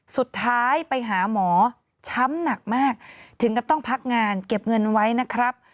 สุดท้ายไปหาหมอช้ำหนักมากถึงกับต้องพักงานเก็บเงินไว้นะครับ